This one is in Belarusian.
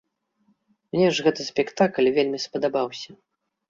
Мне ж гэты спектакль вельмі спадабаўся.